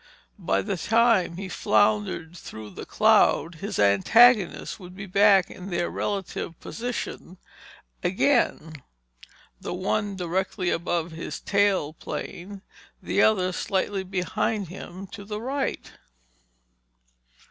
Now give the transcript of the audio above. By the time he floundered through the cloud, his antagonists would be back in their relative positions, again, the one directly above his tail plane, the other slightly behind him to the right.